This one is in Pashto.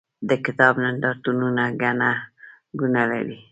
د کتاب نندارتونونه ګڼه ګوڼه لري.